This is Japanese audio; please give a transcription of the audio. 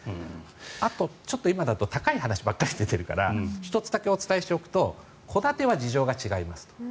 あと、今だと高い話ばかり出ているから１つだけお伝えしておくと戸建ては事情が違いますと。